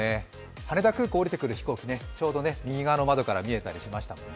羽田空港に降りてくる飛行機、ちょうど右側の席から見えたりしますよね。